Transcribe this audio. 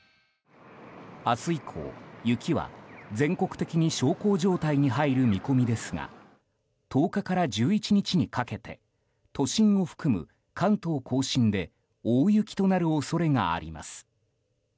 明日以降雪は全国的に小康状態に入る見込みですが１０日から１１日にかけて都心を含む関東・甲信で大雪となる恐れがあります。